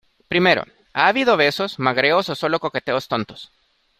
primero, ¿ ha habido besos , magreos o solo coqueteos tontos?